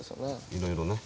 いろいろね。